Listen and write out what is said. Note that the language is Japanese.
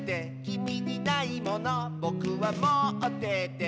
「きみにないものぼくはもってて」